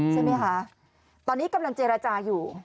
ใช่ไหมคะตอนนี้กำลังเจรจาอยู่